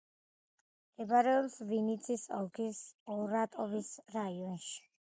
მდებარეობს ვინიცის ოლქის ორატოვის რაიონში.